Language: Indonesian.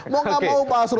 mau nggak mau pak asro